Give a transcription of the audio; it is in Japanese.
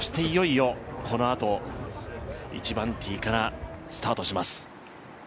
いよいよ、このあと１番ティーからスタートします。